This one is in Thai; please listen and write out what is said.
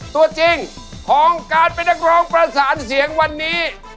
ตัวจริงของการเป็นนักร้องประสานเสียงวันนี้